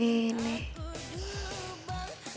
ya alhamdulillah tin